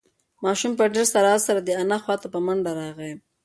ماشوم په ډېر سرعت سره د انا خواته په منډه راغی.